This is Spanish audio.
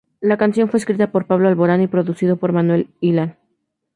La canción fue escrita por Pablo Alborán y producido por Manuel Illán.